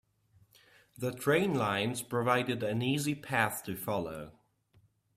The train lines provided an easy path to follow.